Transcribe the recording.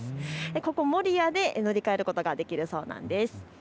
ここ守谷で乗り換えることができるそうなんです。